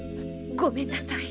ごめんなさい。